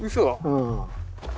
うん。